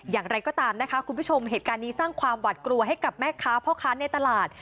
อย่างไรก็ตามนะคะคุณผู้ชมเหตุการณ์นี้สร้างความหวัดกลัวให้กับแม่ค้าพ่อค้าในตลาด